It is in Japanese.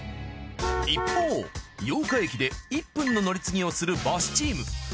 一方八鹿駅で１分の乗り継ぎをするバスチーム。